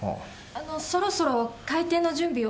あのそろそろ開店の準備を。